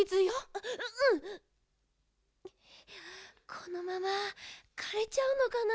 このままかれちゃうのかな？